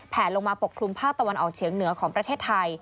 ลงมาปกคลุมภาคตะวันออกเฉียงเหนือของประเทศไทย